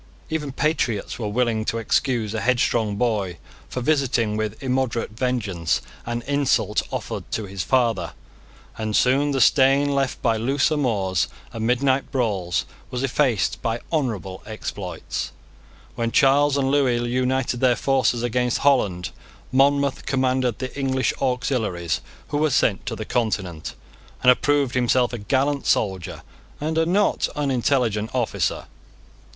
Even patriots were willing to excuse a headstrong boy for visiting with immoderate vengeance an insult offered to his father. And soon the stain left by loose amours and midnight brawls was effaced by honourable exploits. When Charles and Lewis united their forces against Holland, Monmouth commanded the English auxiliaries who were sent to the Continent, and approved himself a gallant soldier and a not unintelligent officer.